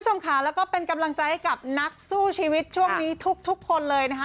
คุณผู้ชมค่ะแล้วก็เป็นกำลังใจให้กับนักสู้ชีวิตช่วงนี้ทุกคนเลยนะคะ